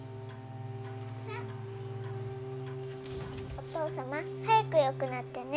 お父様早くよくなってね。